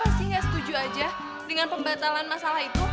mbak kenapa sih gak setuju aja dengan pembatalan masalah itu